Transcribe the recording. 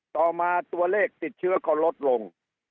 ต่อมาตัวเลขติดเชื้อก็ลดลง